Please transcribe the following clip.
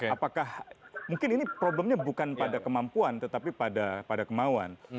apakah mungkin ini problemnya bukan pada kemampuan tetapi pada kemauan